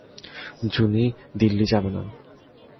জুনি দীল্লি যাবে না।